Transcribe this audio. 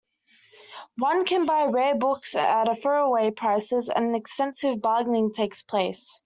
One can buy rare books at throw-away prices and extensive bargaining take place.